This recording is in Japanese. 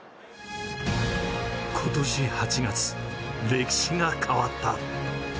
今年８月、歴史が変わった。